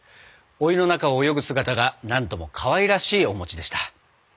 お湯の中を泳ぐ姿がなんともかわいらしいお餅でした。